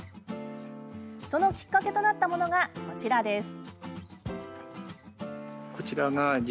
そのきっかけとなったものがこちらです。